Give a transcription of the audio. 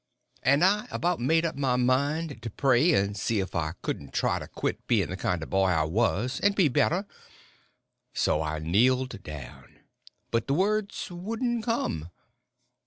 And I about made up my mind to pray, and see if I couldn't try to quit being the kind of a boy I was and be better. So I kneeled down. But the words wouldn't come.